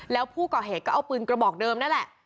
แล้วผู้ก่อเหตุก็เอาปืนกระบอกเดิมนั่นแหละ